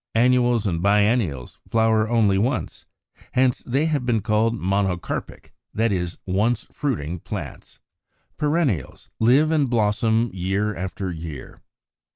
Annuals and biennials flower only once; hence they have been called Monocarpic (that is, once fruiting) plants. 86. =Perennials= live and blossom year after year.